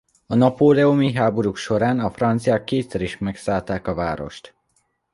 A napóleoni háborúk során a franciák kétszer is megszállták a várost.